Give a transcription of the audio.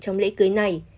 trong lễ cưới này